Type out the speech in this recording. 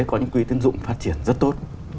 có những quy tiến dụng phát triển rất tốt